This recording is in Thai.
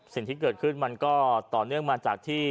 สิ่งที่เกิดขึ้นมันก็ต่อเนื่องมาจากที่